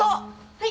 はい！